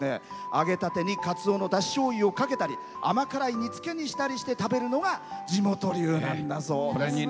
揚げたてにカツオのだししょうゆをかけたり甘辛い煮つけにしたりして食べるのが地元流なんだそうです。